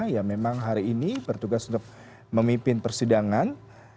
yang memang hari ini bertugas untuk memimpin persidangan